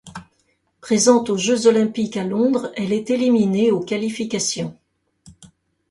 Présente aux Jeux olympiques à Londres, elle est éliminée aux qualifications.